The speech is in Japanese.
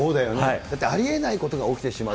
だってありえないことが起きてしまう。